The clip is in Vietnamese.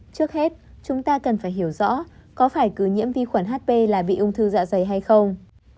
trước hết chúng ta cần phải hiểu rõ có phải cứ nhiễm vi khuẩn hp là bị ung thư dạ dày hay không